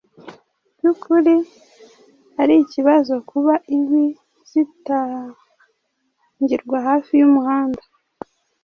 by’ukuri ari ikibazo kuba inkwi zitangirwa hafi y’umuhanda